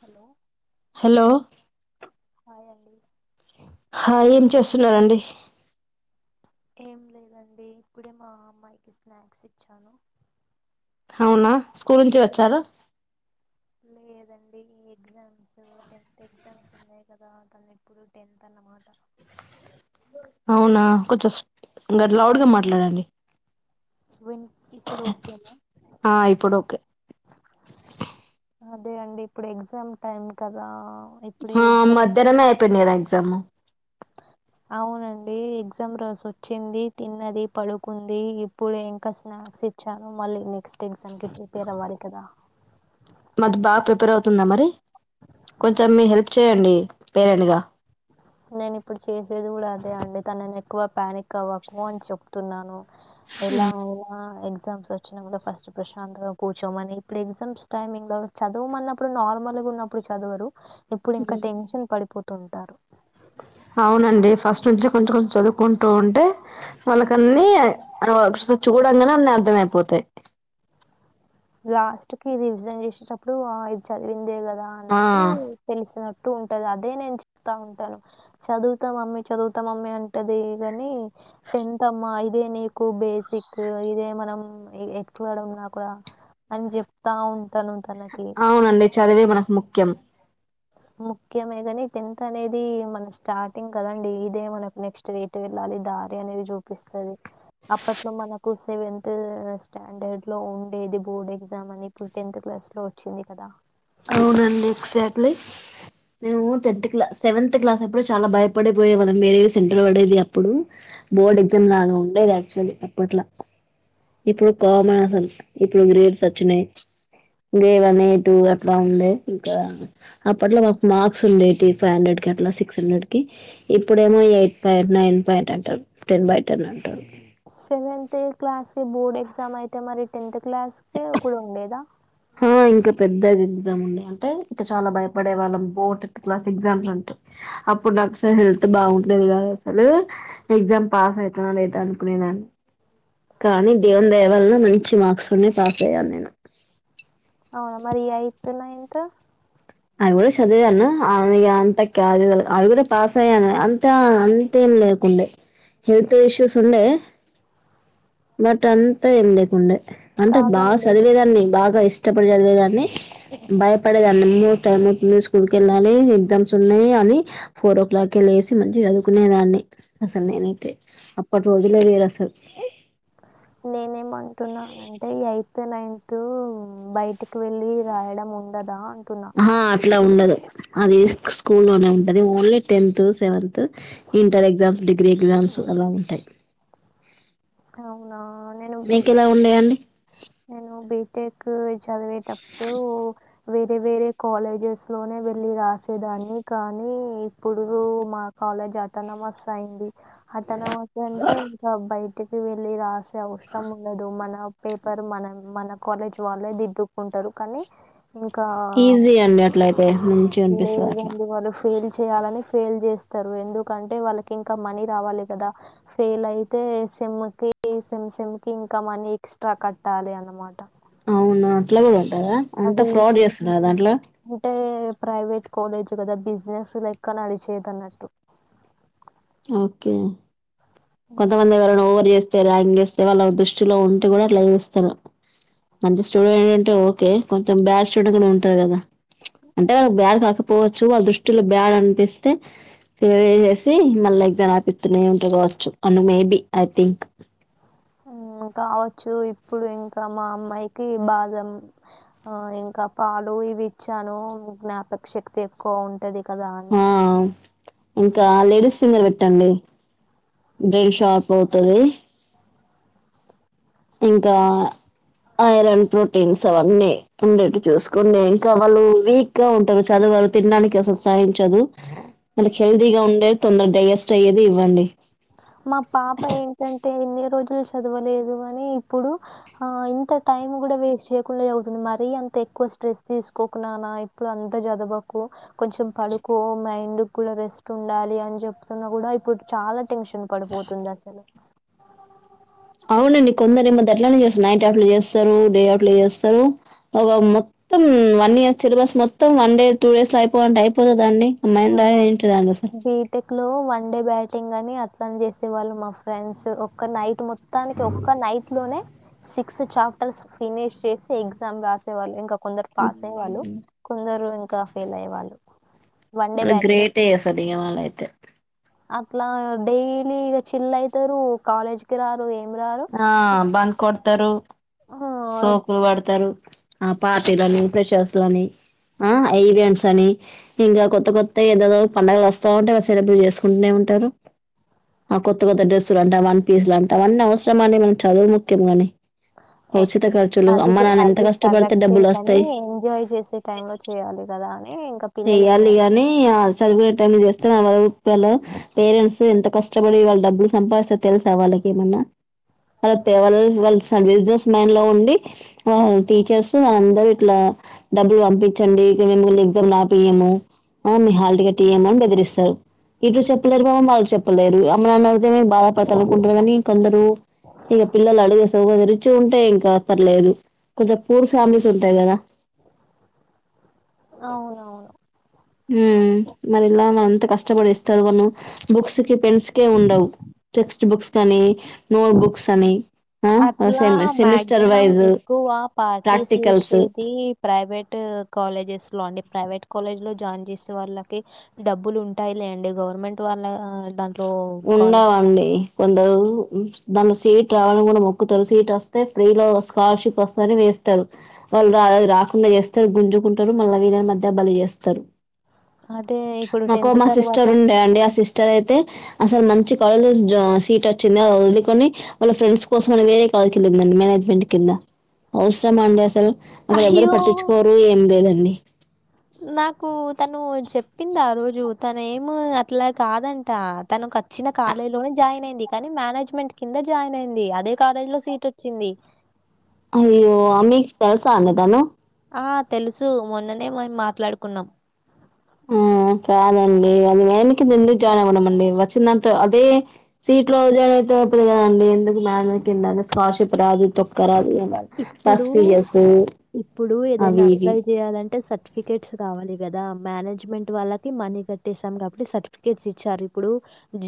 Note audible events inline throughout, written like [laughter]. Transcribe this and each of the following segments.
Hello hello అ అ ఆ ఏం చేస్తున్నండి ఏం లేదండి ఇప్పుడే మా అమ్మాయికి స్నాక్స్ ఇచ్చాను. అవునా స్కూల్ నుంచి వచ్చారు లేదండి ఈ ఎగ్జామ్స్ టెన్త్ ఎగ్జామ్స్ ఉన్నాయి కదా అ తను ఎప్పుడు టెన్త్ అన్నమాట. అవునా కొంచెంం లౌడ్గా మాట్లాడండి. విన్ ఇప్పుడు ఓకేనా ఆ ఇప్పుడు ఓకే అదే అండి ఇప్పుడు ఎగ్జామ్ టైమ్ కదా ఇప్పుడే ఆ ఎగ్జామ్ మధ్యాహ్నమే అయిపోయిందిదా సమ అవునండి ఎగ్జామ్ రోజొచ్చింది తిన్నది పడుకుంది ఇప్పుడు ఇంకా స్నాక్స్ ఇచ్చాను మళ్ళీ నెక్స్ట్ ఎగ్జామ్కి చూపేరవ్వాలి కదా. మాది బాగా ప్రిపేర్ అవుతుందా మరి కొంచెం మీ హెల్ప్ చేయండి పేరెంట్గా. నేను ఇప్పుడు చేసేది కూడా అదే అండి తను నేను ఎక్కువ ప్యానిక్ అవ్వకు అని చెప్తున్నాను. ఎలా ఎలా ఎగ్ ఎగ్జామ్స్ వచ్చినా కూడా ఫస్ట్ ప్రశాంత్ కూర్చోమని ఇప్పుడు ఎగ్జామ్స్ టైమి లో చదవ అన్నప్పుడు నార్మల్ గా ఉన్నప్పుడు చదవరు. ఇప్పుడు ఇంకా టెన్షన్ పడిపోతు. తంటారు అవునండి ఫస్ట్ నుంచి కొంచెం కొంచెం చదువుకుంటూ ఉంటే వాళ్ళక అన్ని ఒకసారి చూడంగానే అన్ని అర్థం అయిపోతాయి. లాస్ట్ కి రివిజెంన్ చేసేటప్పుడు ఇది చదివిందే కదా. ఆ అన్నట్టు తెలుస్తుినట్టు చటు ఉంటది అదే నేను చెప్తా ఉంటాను చదువుతాం మమ్మీ చదువుతాం మమ్మీ అంటది కాని టెన్త్ అమ్మ ఇదే నీకు బేసిక్ ఇదే మనం ఎట్లాడన్నా కూడా. అని చెప్తా ఉంటా అవునండి చదివి మనకు ముఖ్యం ముఖ్యమే కాని టెన్త్ అనేది మన స్టార్టింగ్ కదండి ఇదే మనకు నెక్స్ట్ ఎట్టు వెళ్ళాలి దారి అనేది చూపిస్తుది. అప్పట్ లో మనకు. సెవెంత్ స్టాండర్డ్ లో ఉండేది బోర్డ్ ఎగ్జామ్ అని ఇప్పుడు టెన్త్ క్లాస్ లో వచ్చింది కదా. అవునండి ఎక్సాక్ట్లీ, నేను టెన్త్ క్లాస్ సెవెన్త్ క్లాస్ అప్పుడే చాలా భయపడే పోయేవాళ్ళం మీ వేరే సెంటర్ పడేది అప్పుడు బోర్డ్ ఎగ్జామ్ లాగా ఉండేది యాక్చువల్లీ అప్పట్లా, ఇప్పుడు కామన్ అసలు ఇప్పుడు గ్రేడ్స్ వచ్చినయి ఏ వన్ ఏ టూ అట్లా ఉండే ఇంకా అప్పట్లో మాకు మార్క్స్ ఉండేటి ఫైవ్ హండ్రెడ్ కి అట్లా సిక్స్ హండ్రెడ్ కి, ఇప్పుడేమో ఎయిట్ పాయింట్ నైన్ పాయింట్ అట్ట టెన్ బై టెన్ అంటారు సెవెంత్ ఎ క్లాస్ కి బోర్డ్ ఎగ్జామ్ అయితే మరి టెన్త్ క్లాస్ కి కూడా ఉండేదా హ ఇంకా పెద్దది ఎగ్జామ్ ఉండే అంటే ఇక చాలా భయపడే వాళ్ళం బో టెన్త్ క్లాస్ ఎగ్జామ్స్ అంటే, అప్పుడు నాకు అసలు హెల్త్ బాగుంటేది కాదు అసలు ఎగ్జామ్ పాస్ అవుతునా లేదా అనుకునే దాన్ని, కానీ దేవుని దయ వలన మంచి మార్క్స్ ఉన్నాయి పాస్ అయ్యాను నేను అవునా మరి యయ్తు నైన్త్ అవి కూడా చదివాను ఆ విగ అంత కజివల్, అవి కూడా పాస్ అయ్యాను అంతా అంతేం లేకుండే హెల్త్ ఇష్యూస్ ఉండే బట్ అంతా ఏం లేకుండే అంటే బాగా కాదండి చదివేదాన్ని బాగా ఇష్ ఇష్టపడి చద్ దాన్ని, భయపడేదాన్ని మూ టై స్కూల్ కెళ్ళా ని ఎక్జామ్స్ ఉన్నాయి అని ఫోర్ ఓ క్లాకి లేసి మంచి చదుకునేదాన్ని అసలు నేనైతే అప్పటి రోజులే వేరసలు నేనేమో తున్నానంటే యయ్ త్ నైన్త్ బయటికి వెళ్ళి రాయడం ఉండదా అ ఆహ అట్ల ఉండదు అది స్కూల్ లోనే ఉంటది, only tenth, seventh, inter exams degree exams అలా ఉంటాయి అవునా నేను మీకు ఎలా బీటెక్, ఉండేయండి నేను బీ టేక్ చదివి వేరే వేరే కాలేజెస్ లోనే వెళ్ళి రాస్ చ్చే దాన్ని కానీ ఇప్పుడూ మా కాలేజ్ అటానమస్ అయ్యింది అటానమస్ అంటే ఇంకా బై టికి వెళ్ళి రాస్ అవసరం ఉండదు మన పేపర్ మనం మన కాలేజ్ వాళ్ళే దిద్దుకుంటారు కాని ఈజీ అండి అట్ల అయితే మంచిగనిపిస్తది అట్లా లేదండి వాళ్ళు ఫెయిల్ చేయాలని ఫెయిల్ చేస్తారు, ఎందుకంటే వాళ్ళకి ఇంకా మనీ రావాలి కదా, ఫెయిల్ అయితే సెమ్ కి, సెమ్ సెమ్ కి ఇంకా మనీ ఎక్స్ట్రా కట్టాలి అనమాట అవునా అట్లగే గదా అంత ఫ్రాడ్ ఇప్పుడు చేస్తున్నారా దాంట్ల అంటే ప్రైవేట్ కాలేజీ కదా బిజినెస్ లెక్క నడిచేదన్నట్టు. ఓకే కొంతమంది ఎవరైనా ఓవర్ చేస్ తె ర్యాగింగ్ చేస్తే వాళ్ళ దృష్టిలో ఉంటే కూడా అట్లా చేస్తారు. మంచి స్టూడెంట్ ఉంటే ఓకే, కొంతం బ్యాడ్ స్టూడెంట్ ఉంటారు కదా. అంటే వాడు బ్యాడ్ కాకపోవచ్చు, వాళ్ళ దృష్టిలో బ్యాడ్ అనిపిస్తే ఫెయిల్ చేసేసి మళ్ళా ఎగ్జామ్ రాపిత్తనే ఉంటారు గావచ్చు. అను maybe I think um.. కావచ్చు ఇప్పుడు ఇంకా మా అమ్మాయికి బాదం, ఆహ్ ఇంకా పాలు ఇవి ఇచ్చాను. జ్ఞాపక శక్తి ఎక్కువ ఉంటది. కదా అని ఆ ఇంకా లేడీస్ ఫింగర్ పెట్టండి. బ్రెయిన్ షార్ప్ అవుతది. ఇంకా ఐరన్ ప్రోటీన్స్ అవన్నీ ఉండేట్టు చూసుకోండి. ఇంకా వాళ్ళు వీక్ గా ఉంటారు చదువరు తినడానికి అసలు సహించదు. వాళ్ళకు హెల్దీ గా ఉండేవి తొందరగా డైజెస్ స్ట్ అయ్యేది ఇవ్వండి మా పాప ఏంటంటే ఎన్ని రోజులు చదవలేదు కాని ఇప్పుడు ఆ ఇంత టైం కూడా వేస్ట్ చేయకుండా చవుతుంది. మరీ అంత ఎక్కువ స్ట్రెస్ తీసుకోకు నాన్నా, ఇప్పుడు అంత చదవకు కొంచెం పడుకో మైండ్ కు కూడా రెస్ట్ ఉండాలి అని చెప్తున్నా కూడా ఇప్పుడు చాలా టెన్షన్ పడిపోతుంది అసలు అవునండి కొందరేమో గట్లనే చేస్తారు నైట్ అవుట్లు చేస్తారు డే అవుట్లు చేస్తారు ఒక మొత్తం వన్ ఇయర్ సిలబస్ మొత్తం వన్ డే టూ డేస్ లో అయిపోవాలంటే అయిపోతదా అండి అ మైండా ఎంటి దండి అసలు లో వన్ డే బ్యాటింగ్ అని అట్లని చేసే వాళ్ళు మా ఫ్రెండ్స్. ఒక్క నైట్ మొత్తానికి ఒక్క నైట్ లోనే సిక్స్ చాప్టర్స్ ఫినిష్ చేసి ఎగ్జామ్ రాసేవాళ్ళు ఇంకా కొందరు పాస్ అయ్యే వాళ్ళు. కొందరు ఇంకా ఫెయిల్ అయ్యే వాళ్ళు. వాళ్ళు గ్రేటే అసలు ఇగ వాళ్ళయితే అట్లా డైలీ ఇగ చిల్ అయితారు కాలేజ్ కి రారు ఏం రారు. ఆ బంక్ కొడతారు ఆహ్, సోకులు పడుతరు ఆ పార్టీలని ఫ్రెషర్స్ లని ఆ-ఆ ఈవెంట్స్ అని ఇంకా కొత్త కొత్త ఏదేదో పండుగలు వస్తా ఉంటాయి సెలబ్రేట్ చేసుకుంటూనే ఉంటారు ఆ కొత్త కొత్త డ్రెస్సులు అంటా వన్ పీస్ లు అంటా అవన్నీ అవసరమా అండి మనకు చదువు ముఖ్యం గాని ఏ ఉచిత ఖర్చులు అది అమ్మ నాన్న ఎంత అది కష్టపడితే కరెక్టే డబ్బులు కాని వస్తాయి ఎంజాయ్ చేసే టైమ్ లో చేయాలి కదా అని ఇంకా పిల్లలు చెయ్యలి వినరు. గాని ఆ చదువుకునే టైమ్ లనే చేస్తే నడువదు లో పేరెంట్స్ ఎంత కష్ కష్టపడి వాళ్ళ డబ్బులు సంపాదిస్తే తెలుస వాళ్ళకి ఏమన్నా కరెక్ట్ ఏ కదా వల్ వల్స్ బిజినెస్ మైండ్ లో ఉండి ఆ టీచర్స్ అందరూ ఇట్లా డబ్బులు పంపించండి ఇగ మీమ్ముల్ని ఎగ్జామ్స్ లాప్ పియ్యము మీ హాల్ట్గా టీయము అని బెదిరిస్తారు ఇటు చెప్పలేరు పాపం వాళ్ళకు చెప్పలేరు అమ్మనాన బాధపడుతళ్ళు అనుకుంటారు కానీ కొందరు ఇగ పిల్లలు అడిగేస్ ఓగరు రిచ్ గుంటే ఇంక పర్లేదు కొంచెం పూర్ ఫ్యామిలీస్ ఉంటాయి కదా అవునవును హు మరెల్లాలి అంత కష్టపడిస్తారు వాళ్ళు బుక్స్ కి పెన్స్కే కే ఉండవు టెక్స్ట్ బుక్స్ కానీ నోట్ బుక్స్ అని ఆ అట్లా సెమి సెమిస్టర్ మక్సిమం వైజ్ ఎక్కువ పార్టిస్ ప్రాక్టికల్స్ చేసేది ప్రైవేట్ కాలేజెస్ లోండి ప్రైవేట్ కాలేజ్ లో జాయిన్ చేసే వాళ్ళకి డబ్బులు ఉంటాయి లేండి, గవర్నమెంట్ వాళ్ళ ద ఉండవండి. కొందరు దానిలో సీట్ రావాలని కూడా మొక్కుతరు, సీట్ వస్తే ఫ్రీలో స్కాలర్షిప్ వస్తదని వేస్తారు. వాళ్ళు రా రాకుండా చేస్తరు గుంజుకుంటారు మళ్ళ వీళ్ళని మధ్యల బలి చేస్తారు. అదే ఇప్పుడు మాకు మా తర్వాత సిస్టర్ ఉండే అండి, ఆ సిస్టర్ అయితే అసలు మంచి కాలేజ్ లో ఆ సీట్ వచ్చింది, అ అది వదుకొని వాళ్ళ ఫ్రెండ్స్ కోసం అని వేరే కాలేజ్ కెల్లిందండి మేనేజ్మెంట్ కింద, అవసరం అండి అసలు అక్కడ ఎవరు అయ్యో! పట్టించుకోరు ఏం లేదండి. నాకు తను చెప్పింది ఆ రోజు తనేము అట్లా కాదంట, తనుకు వచ్చిన కాలేజ్ లోనే జాయిన్ అయింది కానీ మేనేజ్మెంట్ కింద జాయిన్ అయింది, అదే కాలేజ్ లో సీట్ వచ్చింది. అయ్యో అ మీక్ తెల్సా అండి తను. ఆ తెలుసు సు మొన్ననే మేం మాట్లాడుకుంన్నం. ఉమ్ కాదండి అది ఎందుకు ముందు జాయిన్ అవ్వడం అండి. వచ్చిందంట అదే సీట్ లో జైన్ అయిపోతది కదండి, ఎందుకు మేనేజ్ కింద స్కాలర్షిప్ రాదు, తొక్క రాదు. రాదు బస్ ఇప్పుడు, ఫీజెస్ ఇప్పుడు ఏదైనా అవి ఇవి అప్లై చేయాలంటే సట్ సర్టిఫికెట్స్ కావాలి కదా, మేనేజ్మెంట్ వాళ్ళకి మనీ కట్టేసాం కాబట్టి సర్టిఫికెట్స్ ఇచ్చారు. ఇప్పుడు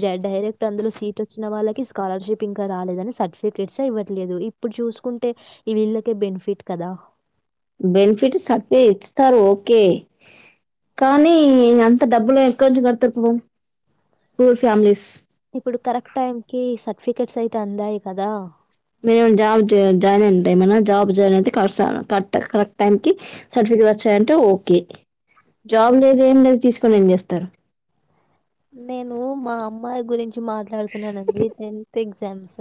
జ డైరెక్ట్ అందులో సీట్ వచ్చిన వాళ్ళకి స్కాలర్షిప్ ఇంకా రాలేదని సర్టిఫికేట్ ఇవ్వట్లేదు. ఇప్పుడు చూసుకు టే ఇవీల్లకే బెనిఫిట్ కదా. బెనిఫిట్ సెట్లె ఇస్తారు ఓకే, కానీ అంత డబ్బులు ఎక్కునుంచి కడతరు పపం, పూర్ ఫ్యామిలీస్ ఇప్పుడు కరెక్ట్ టైం కి సర్టిఫికెట్స్ అయితే అందాయి కదా. మేము జాబ్ జాయిన్ జ జయింట ఏమన్నా, జాబ్ జాయిన్ అయితే కర్స్ కట్ కరెక్ట్ టైం కి సర్టిఫికేట్ వచ్చాయంటే ఓకే. జాబ్ లేదు ఏం లేదు తీసుక్ కొని ఏం చేస్తరు. నేను మా అమ్మాయి గురించి మాట్లాడుతున్నానండి, టెన్త్ ఎగ్జామ్స్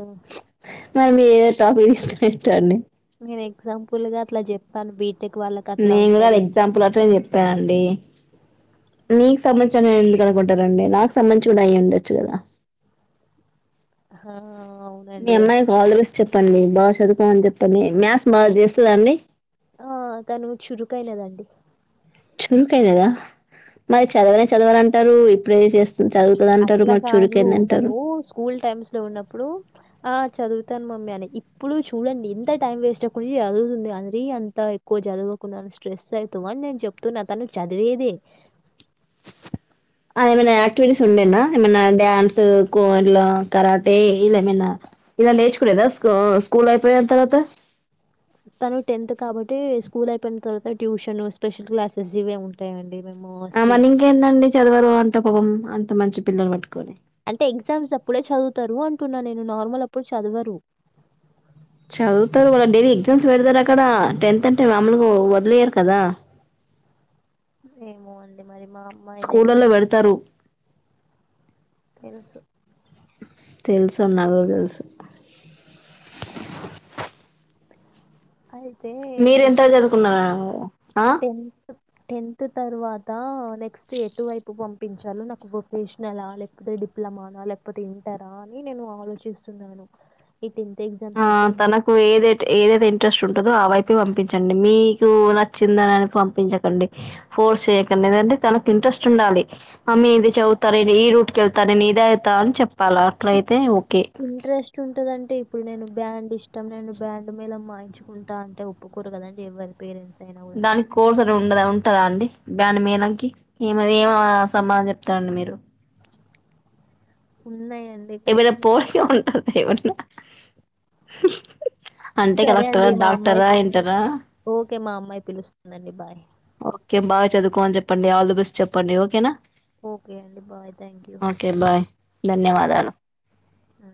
మరీ ఏ టాపిక్ తీస్ స్టిట్ అండి. నేను ఎగ్జాంపుల్ గా అట్ల చెప్పాను, బీ నేను కూడా ఎగ్జాంపుల్ అట్ల చెప్పానండి, మీకు సంబంధిం చని ఎందుకు అనుకుంటారండి, నాకు సంబంధించి కూడా అయ్యి ఉండొచ్చు కదా. హా మీ అవునండి అమ్మాయికి ఆల్ ది బెస్ట్ చెప్పండి బాగా చదువుకోమని చెప్పండి, మ్యాస్ బాగా చేస్తుందాండి. ఆ తను చురుకైనదండి. చురుకైనదా, మరి చదవనే చదవదంటరు ఇప్పుడే చేస్ అట్ల కాదు, తను స్కూల్ టైమ్స్ లో ఉన్నప్పుడు ఆ చదువుతాను మమ్మీ అని, ఇప్పుడు చూడండి ఇంత టైం వేస్ట్ అవకుండా చదువుతుంది అండి అంతా ఎక్కువ చదువకు నాన స్ట్రెస్ ఐతవ్ అని నేను చెప్తున్నా తను చదివేదే. ఆ ఏమైనా యాక్టివిటీస్ ఉండేనా ఏమన్నా డ్యాన్స్ కో ఇట్ల కరాటే ఇల ఏమైనా ఇగ నేర్చుకునేదస్ ఆ స్కూల్ అయిపోయిన తర్వాత. తను టెన్త్ కాబట్టి స్కూల్ అయిపోయిన తర్వాత ట్యూషన్, స్పెషల్ క్లాసెస్ ఇవే ఉంటయండి. ఆ మని ఇంకేందండి చదవరు అంటవ్ పపం అంత మంచి పిల్లలు పట్టుకొని అంటే ఎగ్జామ్స్ అప్పుడే చదువుతారు అంటున్నా నేను నార్మల్ అప్పుడు చదవరు చదువుతారు వాళ్ళ డైలీ ఎగ్జామ్స్ బెడతారు అక్కడ టెన్త్ అంటే మాములుగా వదిలేయరు కదా ఏమో అండి మరి మా అమ్మా ఆయన అయితేనే స్కూళ్ళలో పెడతారు తెలుసు తెలుసు నాగు తెలుసు అయ్ మీర ఎంత వరకు జదువుకున్నావ్ టెంత్త్ టెన్త్ తర్వాత నెక్స్ట్ ఎటు వైపు పంపించాలొ నాకు వొకేషనల్ లేకపోతే డిప్లొమానా లేకపోతే ఇంటరా అని నేను ఆలోచిస్తున్నాను ఈ టె ఆ తనకు ఏదయితే ఏదయి ఇంట్రెస్ట్ ఉంటదో ఆ వైపె పంపించండి మీకు నచ్చిందని అని పంపించకండి ఫోర్స్ చేయకండి లేదంటె తనకి ఇంట్రెస్ట్ ఉండాలి మమ్మీ ఇది చదువుతా నెను ఈ రూట్ కి ఎళ్తా నెను ఇది అయిత అని చెప్పాల అట్ల అయితే ఒ ఇంట్రెస్ట్ ఉంటదంటే ఇప్పుడు నేను బ్యాండ్ ఇష్టం నేను బ్యాండ్ మేలం వాయించుకుంటా అంటే ఒప్పుకోరు కదండి ఎవ్వరి పేరెంట్స్ అయినా కూడా దానికి కోర్స్ ఉండదా ఉంటదా అండి బ్యాండు మేళం కి ఏమరి సంబందన చెప్తాండం మీరు ఉన్నయ్ ఎబ్బుడన్న పొర్సే ఉం [unintelligible] ఎవరిలా అంతే కద సరే అక్క అండి మా డాక్టార అమ్మాయి ఇంటర ఓకే మా అమ్మాయి పిలుస్తుందండి బాయ్ ఓకె బాగ చదువుకోమని చెప్పండి ఆల్ ద బెస్ట్ చెప్పండి ఓకేనా ఓకే అండి bye thank you okay bye ధన్యవాదాలు ఆ